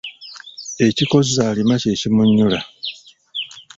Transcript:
Ekikozza alima, kye kimunnyulula.